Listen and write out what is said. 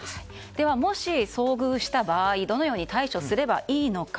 では、もし遭遇した場合どのように対処すればいいのか。